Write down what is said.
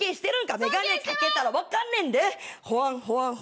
眼鏡掛けたら分かるんで。